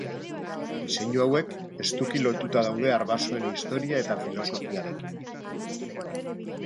Diseinu hauek, estuki lotuta daude arbasoen historia eta filosofiarekin.